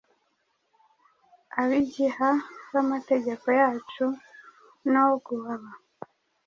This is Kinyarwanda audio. Abigiha bAmategeko yacu, no guaba